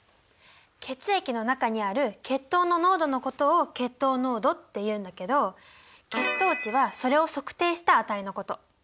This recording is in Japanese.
血液の中にある血糖の濃度のことを血糖濃度っていうんだけど血糖値はそれを測定した値のこと。